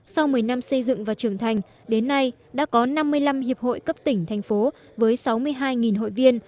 sau một mươi năm xây dựng và trưởng thành đến nay đã có năm mươi năm hiệp hội cấp tỉnh thành phố với sáu mươi hai hội viên